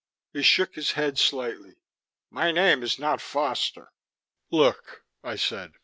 He shook his head slightly. "My name is not Foster." "Look," I said.